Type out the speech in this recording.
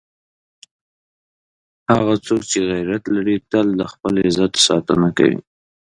هغه څوک چې غیرت لري، تل د خپل عزت ساتنه کوي.